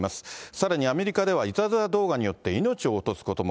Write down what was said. さらにアメリカでは、いたずら動画によって命を落とすことも。